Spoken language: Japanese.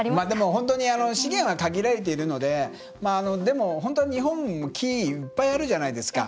本当に資源は限られているのででも、日本も木いっぱいあるじゃないですか。